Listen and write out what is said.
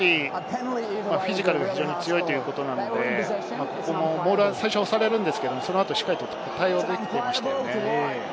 フィジカルが非常に強いということなので、モールは最初押されるんですけれど、そのあと対応できていましたね。